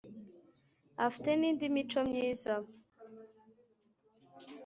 afite nindi mico myiza.